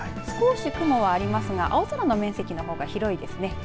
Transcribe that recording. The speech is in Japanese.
少し雲はありますが青空の面積の方が広いですね。